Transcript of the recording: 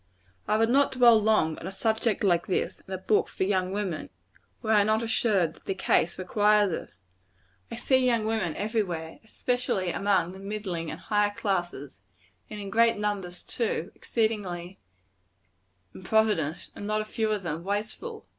I would not dwell long on a subject like this, in a book for young women, were I not assured that the case requires it. I see young women every where, especially among the middling and higher classes, and in great numbers too, exceedingly improvident; and not a few of them, wasteful.